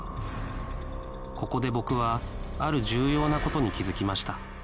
ここで僕はある重要な事に気付きました